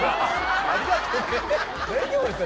大丈夫ですか？